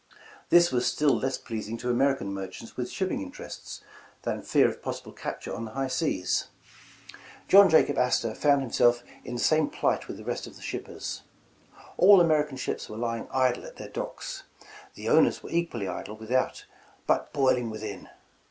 This was still less pleasing to American merchants with shipping interests, than fear of possible capture on the high seas. John Jacob Astor found himself in the same plight with the rest of the shippers. All American ships were lying idle at their docks. The 152 A Vision owners were equally idle without, but boiling within.